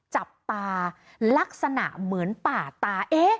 จับตาลักษณะเหมือนป่าตา